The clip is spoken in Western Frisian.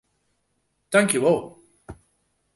Tankjewol.